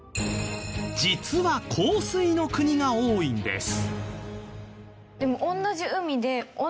実は硬水の国が多いんです。